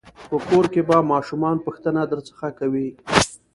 په کور کې به ماشومان پوښتنه درڅخه کوي.